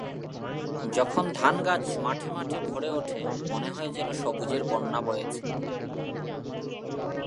যখন ধানগাছ মাঠে মাঠে ভরে ওঠে মনে হয় যেন সবুজের বন্যা হয়েছে।